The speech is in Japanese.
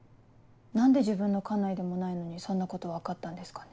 何で自分の管内でもないのにそんなこと分かったんですかね。